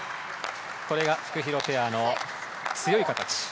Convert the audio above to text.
これがフクヒロペアの強い形。